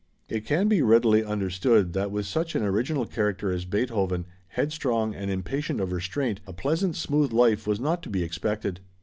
It can be readily understood that with such an original character as Beethoven, headstrong and impatient of restraint, a pleasant smooth life was not to be expected.